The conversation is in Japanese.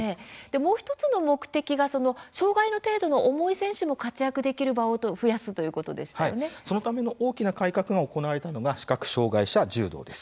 もう１つの目的が障害の程度の重い選手の活躍できる場を増やすそのための大きな改革が行われたのが視覚障害者柔道です。